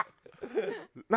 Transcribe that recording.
何？